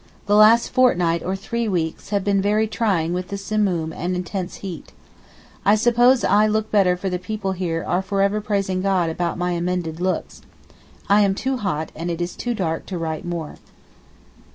The last fortnight or three weeks have been very trying with the Simoom and intense heat. I suppose I look better for the people here are for ever praising God about my amended looks. I am too hot, and it is too dark to write more.